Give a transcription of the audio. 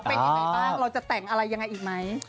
เป็นยังไงบ้างเราจะแต่งอะไรยังไงอีกไหม